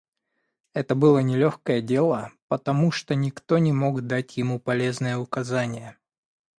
Это было нелегкое дело, потому что никто не мог дать ему полезные указания.